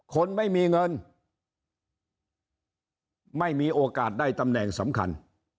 คนไม่มีเงินไม่มีโอกาสได้ตำแหน่งสำคัญ